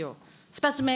２つ目。